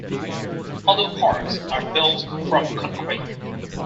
Other parts are built from concrete.